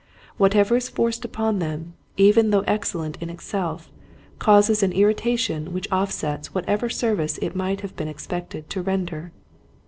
Whatever is forced upon them, even though excellent in itself, causes an irri tation which offsets whatever service it might have been expected to render.